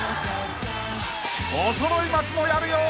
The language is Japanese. ［おそろい松もやるよ！